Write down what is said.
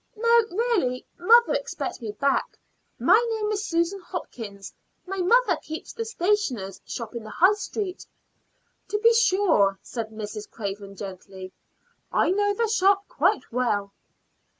"No, really. Mother expects me back. My name is Susan Hopkins. My mother keeps the stationer's shop in the High Street." "To be sure," said Mrs. Craven gently. "I know the shop quite well."